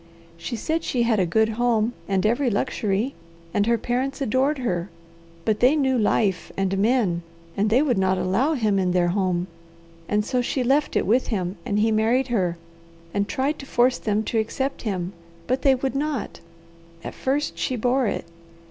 She said she had a good home and every luxury, and her parents adored her; but they knew life and men, and they would not allow him in their home, and so she left it with him, and he married her and tried to force them to accept him, and they would not. At first she bore it.